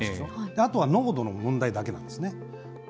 あとは濃度の問題だけなんですね。